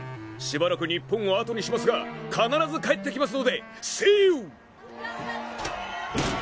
しばらく日本を後にしますが必ず帰ってきますので。